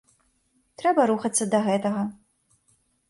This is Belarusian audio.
Трэба рухацца да гэтага.